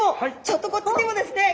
ちょっとこっちにもですね